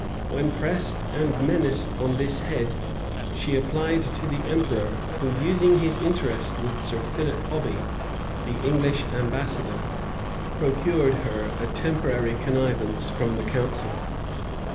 When pressed and menaced on this head, she applied to the emperor, who, using his interest with Sir Philip Hobby, the English ambassador, procured her a temporary connivance from the council.